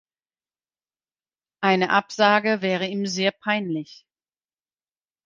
Eine Absage wäre ihm sehr peinlich.